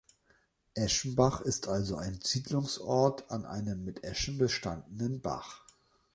Eschenbach ist also ein Siedlungsort an „einem mit Eschen bestandenen Bach“.